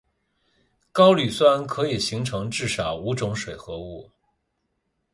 高氯酸可以形成至少五种水合物。